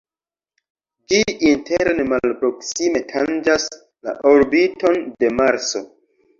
Ĝi interne malproksime tanĝas la orbiton de Marso.